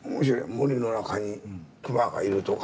森の中に熊がいるとか。